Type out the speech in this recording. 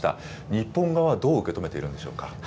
日本側はどう受け止めているんでしょうか。